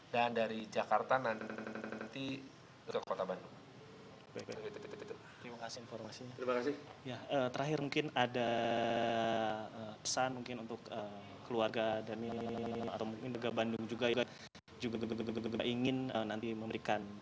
dan dari jakarta nanti